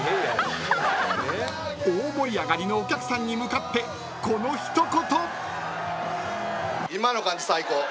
［大盛り上がりのお客さんに向かってこの一言］